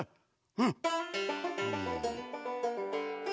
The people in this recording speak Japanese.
うん。